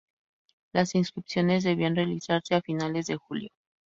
Las inscripciones debían realizarse a finales de julio.